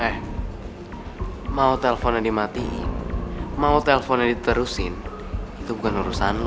eh mau teleponnya dimatiin mau teleponnya diterusin itu bukan urusan lo